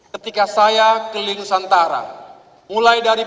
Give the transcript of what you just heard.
ketika saya ke linsantara mulai dari pd